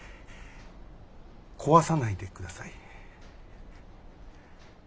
壊さないでください。